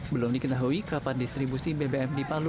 belum diketahui kapan distribusi bbm di palu